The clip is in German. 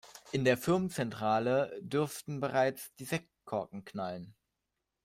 In der Firmenzentrale dürften bereits die Sektkorken knallen.